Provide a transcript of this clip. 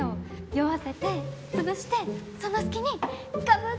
酔わせて潰してその隙にガブって。